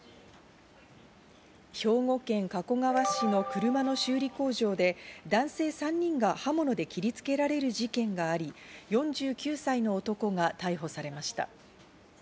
兵庫県加古川市の車の修理工場で男性３人が刃物で切りつけられる事件があり、４９歳の男が逮捕されました。